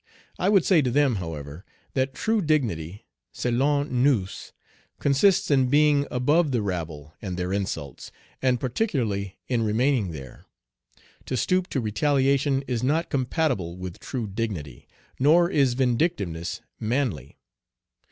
I would say to them, however, that true dignity, selon nous, consists in being above the rabble and their insults, and particularly in remaining there. To stoop to retaliation is not compatible with true dignity, nor is vindictiveness manly.